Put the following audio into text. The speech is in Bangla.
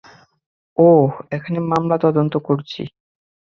ওই, এখানে মামলা তদন্ত করছি!